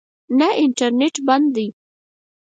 نه، انټرنېټ بند دی